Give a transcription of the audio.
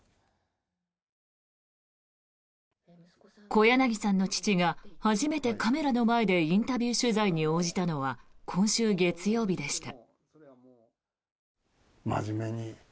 小柳さんの父が初めてカメラの前でインタビュー取材に応じたのは今週月曜日でした。